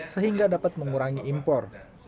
sehingga dapat mengurangi impor